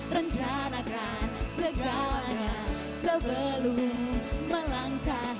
rencanakan segalanya sebelum melangkah